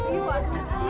kenal juga enggak iyuh